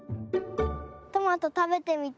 トマトたべてみたい。